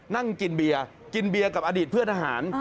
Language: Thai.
นั่งกินเบียร์กินเบียร์กับอดีตเพื่อนทหาร